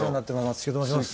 松重と申します。